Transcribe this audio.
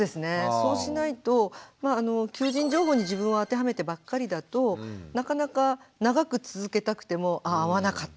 そうしないと求人情報に自分を当てはめてばっかりだとなかなか長く続けたくても「ああ合わなかった。